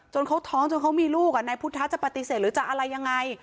เขาท้องจนเขามีลูกนายพุทธะจะปฏิเสธหรือจะอะไรยังไง